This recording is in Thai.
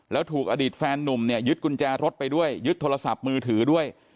แล้วถูกอดีตแฟนนุ่มเนี่ยยึดกุญแจรถไปด้วยยึดโทรศัพท์มือถือด้วย